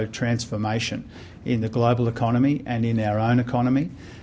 strategi gas yang dikeluarkan semalam